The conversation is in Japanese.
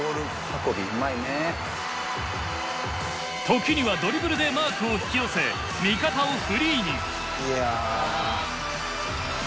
時にはドリブルでマークを引き寄せ味方をフリーに。